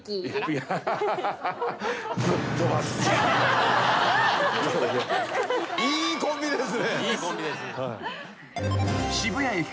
いいコンビです。